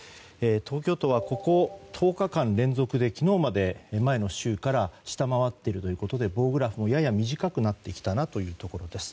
東京都はここ１０日間連続で昨日まで前の週から下回っているということで棒グラフもやや短くなってきたなというところです。